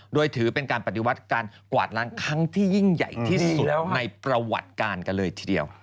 โดยถือเป็นการปฏิวัติการกวาดล้างครั้งที่ยิ่งใหญ่ที่สุดในประวัติการกันเลยทีเดียว